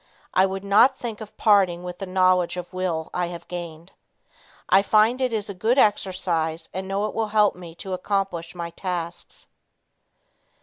I would not think of parting with the knowledge of will I have gained. I find it is a good exercise and know it will help me to accomplish my tasks.